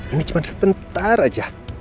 ini cuma sebentar aja